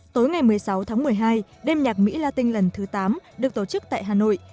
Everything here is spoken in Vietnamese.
tối ngày một mươi sáu tháng một mươi hai đêm nhạc mỹ la tinh lần thứ tám được tổ chức tại hà nội